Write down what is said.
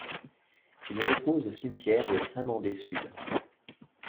Il repose au cimetière de Saint-Mandé sud.